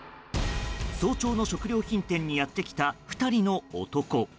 早朝の食料品店にやってきた２人の男。